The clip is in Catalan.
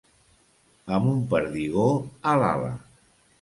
Amb un perdigó a l'ala.